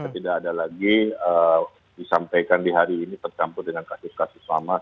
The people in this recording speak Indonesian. tidak ada lagi disampaikan di hari ini tercampur dengan kasus kasus lama